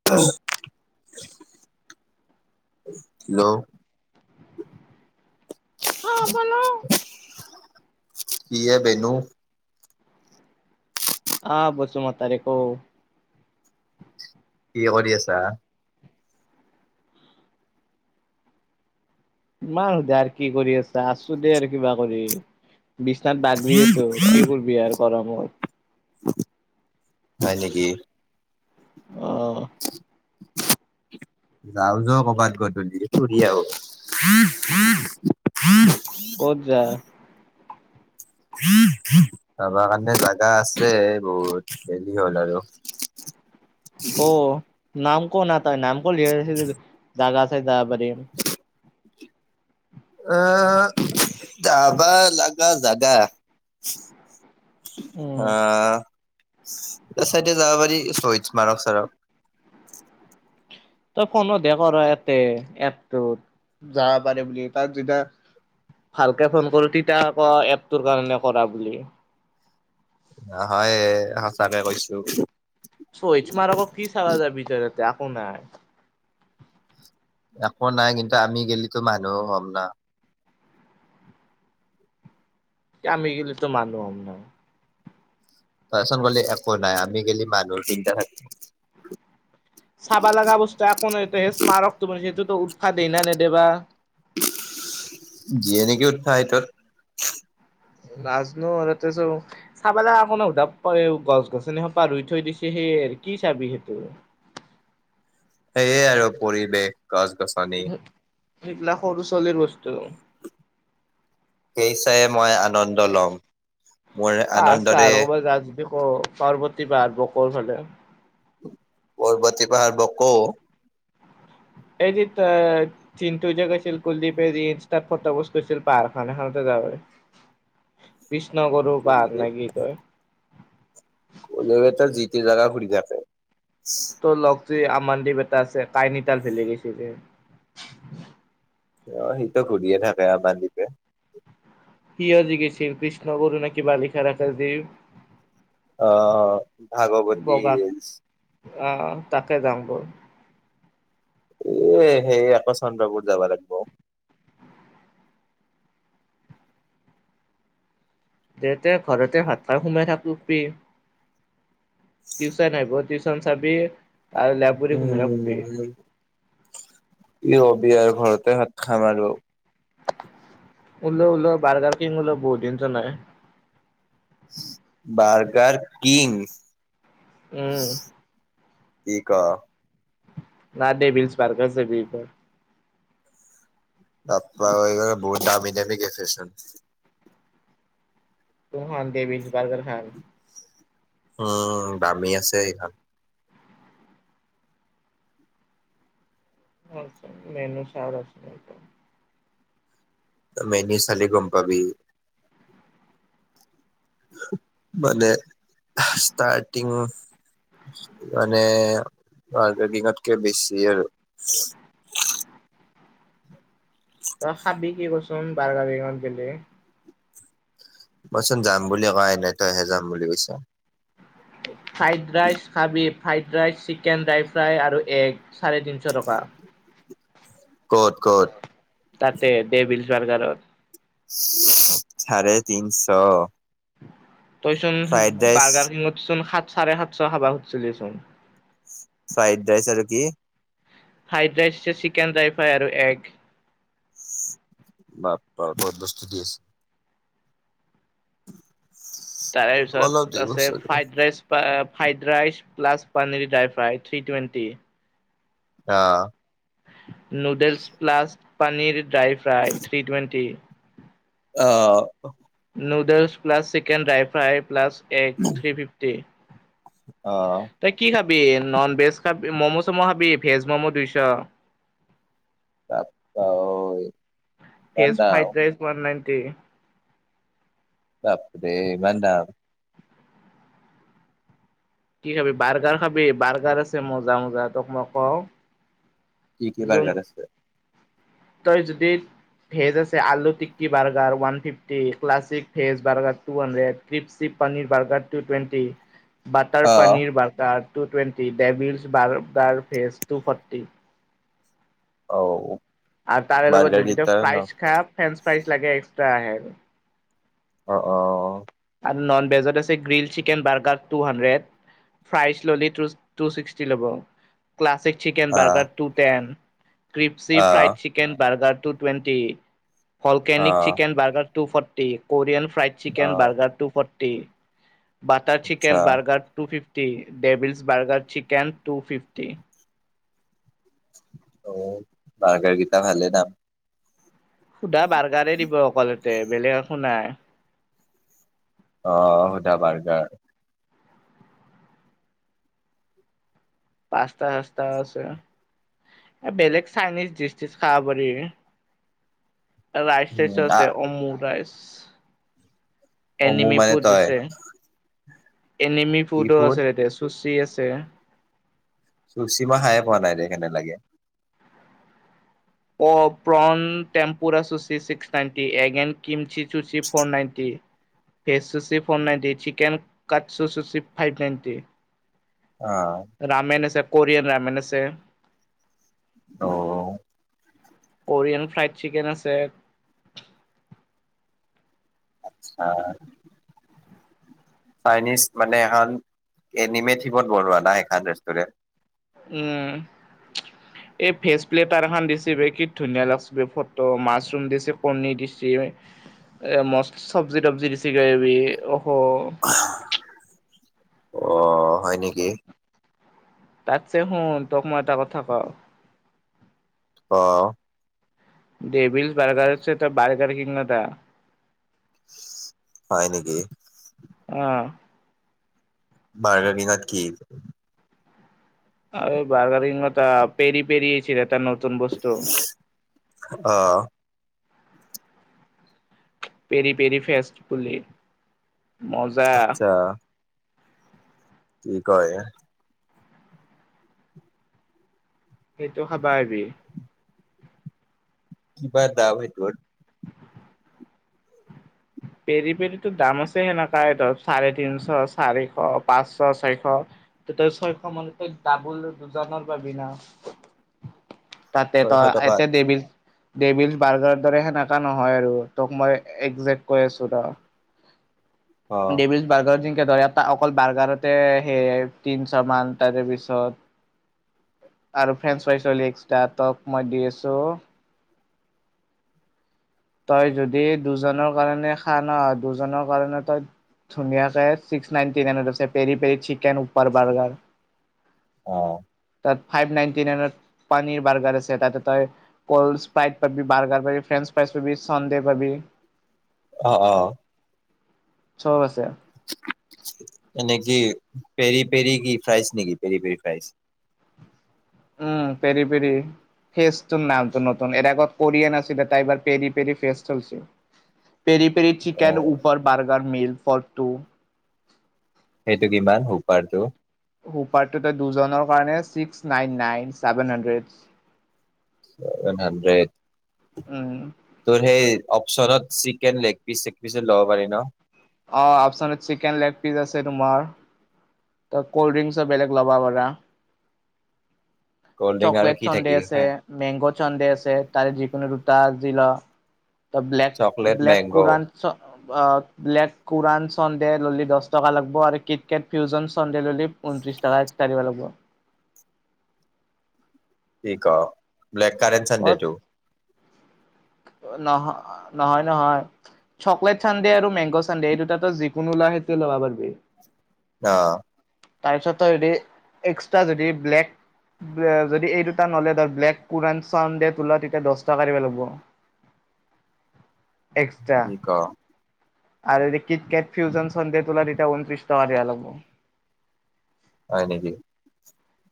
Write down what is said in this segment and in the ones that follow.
Hello হা বলো কি এ বেনু আহ বসুমতাৰী ক কি কৰি আছা? কিমান সোধা আৰু কি কৰি আছা, আছো দেই আৰু কিবা কৰি বিছনাত বাগৰি আছো, কি কৰবি আৰ গৰমত হয় নেকি? অ [unintelligible] যাও য কৰবাত গধধূল ফুৰি আহ ক'ত যায়? উম, হম। যাৱা কাৰণে জাগা আছে বহুত গেলি হ'ল আৰু ক' নাম ক নাম টাৰ নাম ক ল জাগা চাই যাব পাৰিম [unintelligible] অ', যাবা লাগা জাগা উম আহ এ চাইড যাব পাৰি স্মাৰক চাৰক তই ফোনতহে কৰ এতে এপটোত যাব পাৰে বুলি তাত যেয়া ভালকে ফোন কৰো তেতিয়া আকৌ এপটোৰ কাৰণে কৰা বুলি হয় সঁচাকে কৈছো এইচ মাৰক কি চাবা যায় তই একো নাই। একো নাই কিন্তু, আমি গেলিটো মানুহও হ'ম না আমি গেলি তো মানুহ তাৰচোন গলে একো নাই, আমি গেলি মানুহ তিনিটা থাকিম। চাবা লগা বস্তু একো নাই এ সেই স্মাৰকটোনে সেইটোতো উৎফাহ দেই নেদে বা যিনেকে উৎসাহিতত লাজ [unintelligible] চাবে অকনো উধাব গছ গছনি সোপা পৰা ৰুই থৈ দিছে সেই কি চাবি সেইটো। সেয়ে আৰু পৰিৱেশ। গছ গছনি। সেইবিলাক সৰু ছোৱালীৰ বস্তু। সেই চাইহে মই আনন্দ ল'ম। মোৰ পাহাৰ চাহাৰ আনন্দৰে আৰু ক'ৰবাত যাওঁ যদি ক' পাৰ্বতী পাহাৰ বকোৰ ফালে? বৰবতী পাহাৰ ব'কো? [inaudible] চিন্টু গৈছিল কুলদীপে ৰীলছত তাত ফটো পষ্ট কৰিছিল পাহাৰখন এখনতে যাব পাৰি। [inaudible] কৃষ্ণগুৰু পাহাৰ কুলদীপ নে কি কয়? কুলদ্বীপহঁতে যি তি জেগা ঘুৰি থাকে। তোৰ লগৰ আমাৰ দাদা এটা আছে কাইনী তাল ভেলি গৈছিল। অ', সিটো ঘূৰিয়েই থাকে আমান দীপে। কিয়? কি কৈছিল? কৃষ্ণগুৰু নেকি, বালিকা আকাশদ্বীপ? অ', অ', ভাগৱতী হিলচ। অ', অ', তাতে যাম বৌ। এ সেই আকৌ চন্দ্ৰপুৰ যাব লাগিব। তেন্তে ঘৰতেই ভাত খাই সোমাই থাকোঁ পি। টিউচন আহিব টিউচন চাবি আৰু লেপ জাপি ঘুমাই শুবি। উম কি কৰবি আৰু ঘৰতে ভাত খাম আৰু। উল, উল বাৰ্গাৰ কিং উল বৌধিনচ নাই। Burger king. উম। কি ক'। [inaudible] বাপা বহুত দামী দামী গেফেশ্বন। ত' খাই দে, বিশ বাৰ্গাৰ খাম। উম, দামী আছে এইখন। উম, মেনু চাউ ৰ'বি। মেনু চালে গম পাবি। মানে, ষ্টাৰ্টিং মানে, মাৰ্কেটিঙতকে বেছি আৰু। তই হ'ব কি ক'চোন, বাৰ্গাৰ বেগত গ'লে? মইচোন যাম বুলি কোৱা নাই, তইহে যাম বুলি কৈছ। [inaudible] ফ্ৰাইড ৰাইচ খাবি? Fried rice, chicken dry fry আৰু এগ, চাৰে তিনিশ টকা। ক'ত ক'ত? তাতে, ডেভিলছ বাৰ্গাৰত। চাৰে তিনিশ! তই চোন বাৰ্গাৰিঙত সাত চাৰে সাতশ খাবা খুজিছিলি চোন। ফ্ৰাইড ৰাইচ আৰু কি? ফ্ৰাইড ৰাইচ আছে, চিকেন ড্ৰাই ফ্ৰাই আৰু এগ। বাপ, বহুত বস্তু দি আছে। তাৰে অলপ পিছত দিব আছে চাগে fried rice fried rice plus paneer dry fry, three twenty. অ'। Noodles plus paneer dry fry, three twenty. অ', noodles plus, chicken dry fry, plus. এক থ্ৰী ফিফটি। আহ তই কি খাবি? নন-ভেজ খাবি, ম'ম' চম' খাবি? ভেজ ম'ম' দুইশ। বাপ্পা ঐ ইমান ছ' দাম ফ্ৰাইড ৰাইচ, নাইনটি। বাপৰে ইমান দাম? কি খাবি। বাৰ্গাৰ খাবি বাৰ্গাৰ আছে মজা মজা তোক মই কওঁ কি কি যোন বাৰগাৰ আছে? তই যদি ভেজ আছে। Aloo tikki burger, one fifty, classic veg, burger two hundred ক্ৰিপ চিপ paneer burger two twenty butter uh paneer, burger two twenty, ডেভছ burger, ফেজ টু ফৰ্টি অ'। আৰু তাৰে লগত বাৰ্গাৰ যদি কেইটা ন ফ্ৰাইজ খা, ফ্ৰেস ফ্ৰাইজ লাগে এক্সট্ৰা আহে। অ' অ'। আৰু নন ভেজত আছে। Grill chicken burger two hundred fries ল'লি, টু টু ছিক্সটি ল'ব। Classic chicken, uh burger uh two ten, crispy fried chicken burger two twenty, uh volcanic chicken, burger two forty, Korean fried uh chicken আচ্ছা burger two forty, butter chicken burger two fifty the devils burger chicken, two fifty অ', বাৰ্গাৰকেইটা ভালে দাম সুধা বাৰ্গাৰে দিব অকল ইয়াতে বেলেগ একো নাই অ', সুদা বাৰ্গাৰ। পাস্তা চাস্তা আছে, এ বেলেগ চাইনিজ ডিচি চিচ খাব পাৰি ৰাইচ উম ৰাইচ আ আছে অমু ৰাইচ অ মোৰ এনিমি মানে ফুড তই আছে। এনিমি ফুডো আছে, এতিয়া চুচি আছে। চুচিমাই খায়ে পোৱা নাই দে, কেনে লাগে অ', প্ৰন টেম্পুৰৰা আছচি ছিক্স নাইনটি, এগেন কিম টুচ্ৰী ফ'ৰ নাইনটি ভেজ আছে ফ'ৰ নাইণ্টি, চিকেন কাট চুচুছে, ফাইভ নাইণ্টি অ'। ৰামেন আছে। কোৰিয়ান ৰামেণ আছে। অ'। কোৰিয়ান ফ্ৰাইড চিকেন আছে হয়। চাইনিজ মানে এখন এনিমেথিপত বনোৱা না, এখন ৰেষ্টুৰেট উম্। উ। এই ফেচ প্লেটাৰ খন দিছে, কি ধুনীয়া লাগিছে ব ফটো। মাছৰুম দিছে কৰ্ণি দিছে এ মই সব্জি তবজি দিছে গ বি অ', হয় নেকি? তাতছে শুন তোক মই এটা কথা কওঁ অ'। ডেভিলছ বাৰ্গাৰ আছে, ত বাৰ্গাৰ কিং নতা হয় নেকি? উম্। বাৰ্গবি ন কি? আৰুঐ বাৰ্গাৰিং মত পেৰি পেৰয়ছিলটাৰ নতুন বস্তু। অ' পেৰি পেৰি ফেষ্ট। বুলি মজা আচ্ছা কি কয়? সেইটো খাবা আহিবি কিবাৰ দাম। সেই বোৰ পেৰি পেনটো দাম আছে সেনেকাই ধৰ চাৰে তিনশ চাৰিশ পাঁচশ ছয়শ তেতিয়া ছয়শ মানতে ডাবুল দুজনৰ পাবি না তাতে ছয়শ তই টকাত এতে দেৱীৰ দেভীল্ছ বাৰ্গাৰ দৰে সেনেকা নহয় আৰু তোক মই একজেক কৈ আছো ৰ অ দেভীল্ছ বাৰ্গাৰ যেংকে ধৰ অকল বাৰ্গাৰতে সে তিনশ মান তাৰে পিছত আৰু ফ্ৰেঞ্চ ফ্ৰাইছ ধৰিলো এক্সা তোক মই দি আছো তই যদি দুজনৰ কাৰণে খা নহ দুজনৰ কাৰণে তই ধুনীয়াকে ছিক্স নাইনটি নাইনত আছে পেৰি পেৰি চিকেন ওপৰ বাৰ্গাৰ অ' তাত ফাইভ নাইনটি নাইনত পানীৰ বাৰ্গাৰ আছে তাতে তই কোল্ড স্প্ৰাইট পাবি বাৰ্গাৰ পাবি ফ্ৰেঞ্চ ফ্ৰাইছ পাবি চন্দে পাবি অ', অ' চব আছে এনে কি পেৰি পেৰি কি ফ্ৰাইজ নেকি peri peri fries um peri peri ফেচটো নামটো নতুন এৰ আগত কৰিয়েন আছিলে তা এবাৰ পেৰি পেৰি ফেষ্ট হৈ উঠছে পেৰি পেৰি অ চিকেন উপৰ বাৰ্গাৰ মিল ফৰ্ টু সেইটো কিমান হুপাৰটো হুপাৰটো দুজনৰ কাৰণে six nine nine seven hundred seven hundred উম তোৰ সেই অপচনত চিকেন লেগ পিচ চেগ পিচচোন ল'ব পাৰি ন অ', আপচ চিকেন লেগ পিচ আছে তোমাৰ তো কল্ড্ৰিংছো বেলেগ লবা পাৰা কল্ড ড্ৰিংক আৰু চকলেট কি চন্দে থাকিল আছে হে মেংগো চন্দে আছে তাৰে যিকোনো দুটা যি লোৱা তো ব্লেক চকলেট ব্লেক মেংগ কোৰান চো আহ ব্লেক কোৰান চন্দে ল'লি দহ টকা লাগব আৰু কিট কেট ফিউজনছ্ ল'লি উনত্ৰিশ টকা একটা দিব লাগিব। ঠিক অহ ব্লেককাৰেণ্ অ চান্ডেটো নহ নহয় নহয় চকলেট চান্ডে আৰু মেংগ' চান্ডে এই দুটাতো যিকোনো লোৱা সেইটোৱে ল'বা পাৰবি অ' তাৰপিছত তই যদি এক্সট্ৰা যদি ব্লেক উএ যদি এই দুটা ন'লে ধৰ ব্লেক কুৰান চানডে তোলা তেতিয়া দহ টকা দিব লাগব এক্সট্ৰা কি ক আৰু যদি কিট কেট ফিউজন চান্ডে তোলা তেতিয়া ঊনত্ৰিছ টকা দিবা লাগব। হয় নেকি?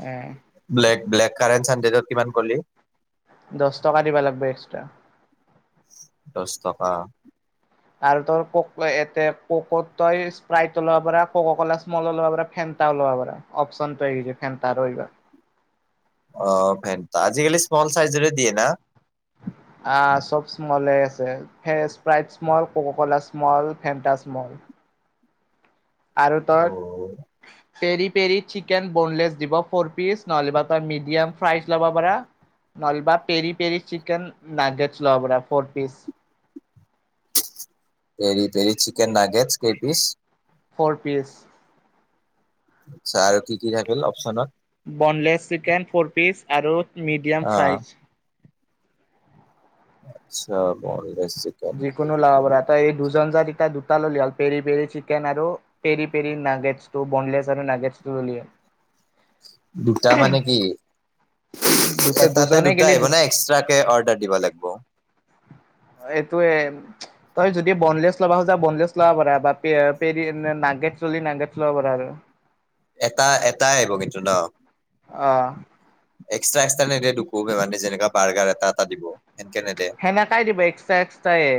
উম ব্লেক ব্লেক কাৰেন চানডেটো কিমান কলি দছ টকা দিবা লাগিব এক্সট্ৰা দছ টকা আৰু তোৰ কোকলো এতে ককত তই স্প্ৰাইটো লৱ পাৰা কো'কো কোলা স্মলো লৱ পাৰা ফেন টা লব পাৰা অপশন পাই গেইছে ফেন্টাৰো এইবাৰ অ', ফেন্টা আজিকালি স্মোল চাইজৰে দিয়ে না আহ চব স্মোলে আছে veg Sprite small Coca Cola small Fanta small আৰু অ তই পেৰি পেৰি চিকেন বনলেছ দিব ফ'ৰ পিছ নহ'লে বা তই মিডিয়াম ফ্ৰাইজ ল'ব পাৰা নলবা পেৰি পেৰি চিকেন নাগেজ লব পাৰা ফৰ পাৰা পেৰি পেৰি চিকেন নাগেজ কেই পিছ [unintelligible] আচ্ছা আৰু কি কি থাকিল অপচনত? বনলেছ চিকেন ফ'ৰ পিছ আৰু মিডিয়াম অ ফ্ৰাইজ। আচ্ছা। চিকেন যিকোনো লাব পৰা ত এই দুজন য তিয়া দুটা ল'লে হ'ল পেৰি পেৰি চিকেন আৰু পেৰি পেৰি নাগেছ টো বনলেছ আৰু নাগে্টো দলিয়ে। দুটা মানে কি? দুটা এটাতে দুজনে দুটা গেলি আহিব দু নে এক্সট্ৰাকে অৰ্ডাৰ দিব লাগিব? এইটো তই যদি বনলেছ ল'ব খোজা বনলেছ ল'ব পাৰা বা পেৰি নাগেত চলি নাগট ল'ব পাৰা আৰু। এটা এটাই আহিব কিন্তু ন? অ'। এক্সট্ৰা এক্সট্ৰা নিদে দুু মানে যেনেুৱা বাৰগাৰ এটা এটা দিব সেনকে নেদে? সেনেকাই দিব এক্সট্ৰা এক্সট্ৰাইে।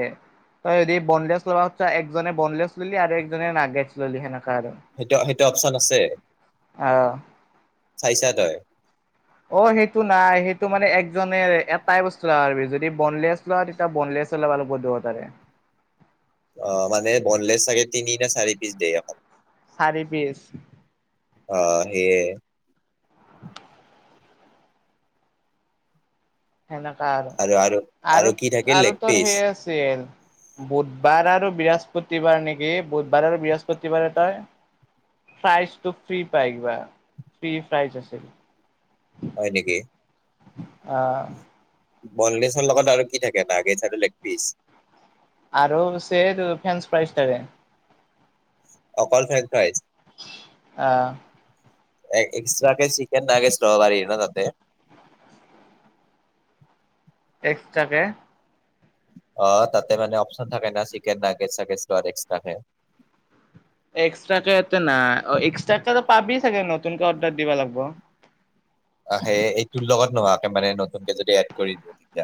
তই যদি বনলেছ লবা হ একজনে বনলেছ ললি আৰু একজনে নাগেতচ ললি সেনেক আৰু। সেইটো সেইটো অপচন আছে অ চাইছা তই? অ', সেইটো নাই সেইটো মানে একজনে এটাই বস্তু আৰু যদি বনলেছ তেতিয়া বনলেছ হ'লে ভাল হ'ব দোতাৰে। অ', মানে বনলেছ চাগে তিনি নে চাৰি পিচ দিয়ে এখন? চাৰি পিছ। অ', সেইয়ে। [unintelligible] সেনেকা আৰু আৰু, কি থাকে আৰু লেগ তোৰ পিচ সেই আছিল বুধবাৰ আৰু বৃহস্পতিবাৰ নেকি বুধবাৰ আৰু বৃহস্পতিবাৰে তই ফ্ৰাইজটো ফ্ৰ্ৰী পাই কিবা ফ্ৰ্ৰী ফ্ৰাইজ আছিল। হয় নেকি? অ',। বনলেছৰ লগত আৰু কি থাকে নাগেতচ আৰু লেগপিচ? আৰু স ফেন্স প্ৰাইজাৰে। অককল ফেকটাইজ? অ'। এক্সট্ৰাকাকে চিকন নাগেতচ লবা পাৰি ন' তাতে? এক্সট্ৰাকে? অ', তাতে মানে অপশচন থাকে না চিকেন নাগেতচ চাগেতচ লোৱা এক্সট্ৰাকে? এক্সট্ৰাকে নাই অ এক্সট্ৰাক পাবি চাগে নতুনকে অৰ্ডাৰ দিব লাগিব। আহ সে এইটোৰ লগত নোহোৱাকে মানে নতুনকে যদি এড কৰি দওঁ তেতিয়া?